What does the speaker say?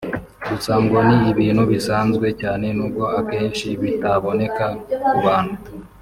gusa ngo ni ibintu bisanzwe cyane n’ubwo akenshi bitaboneka ku bantu